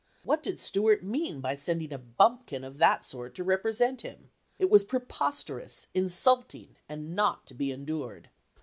What did Stuart mean by sending a bumpkin of that sort to represent him? It was preposterous, insulting, and not to be endured.